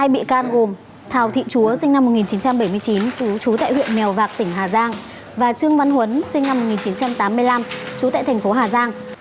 hai bị can gồm thào thị chúa sinh năm một nghìn chín trăm bảy mươi chín trú tại huyện mèo vạc tỉnh hà giang và trương văn huấn sinh năm một nghìn chín trăm tám mươi năm trú tại thành phố hà giang